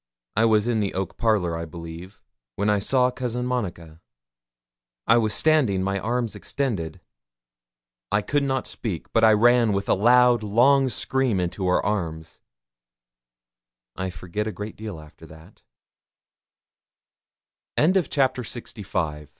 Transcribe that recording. I was in the oak parlour, I believe, when I saw cousin Monica. I was standing, my arms extended. I could not speak; but I ran with a loud long scream into her arms. I forget a great deal after that. CONCLUSION Oh, my beloved cousin Monica!